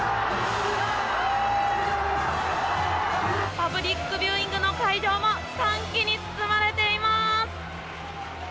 パブリックビューイングの会場も歓喜に包まれています。